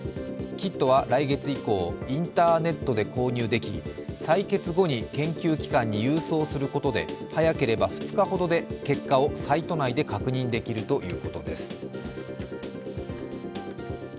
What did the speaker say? キットは来月以降、インターネットで購入でき採決後に研究機関に郵送することで早ければ２日ほどで結果をサイト内で確認できるということです。